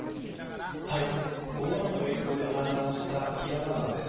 大雨の影響で、氾濫した木山川です。